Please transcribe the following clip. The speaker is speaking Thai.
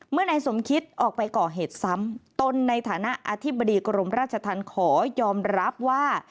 นายสมคิตออกไปก่อเหตุซ้ำตนในฐานะอธิบดีกรมราชธรรมขอยอมรับว่า